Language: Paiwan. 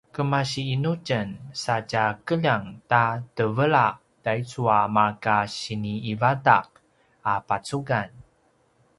kemasinu tjen sa tja keljang ta tevela taicu a marka sini ivadaq a pacugan?